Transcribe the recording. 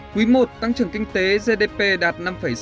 quý một tăng trưởng kinh tế gdp đạt năm sáu mươi sáu